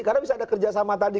karena bisa ada kerjasama tadi